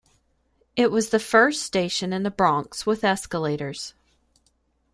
It was the first station in the Bronx with escalators.